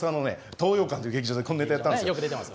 東洋館っていう劇場でこのネタやったんです。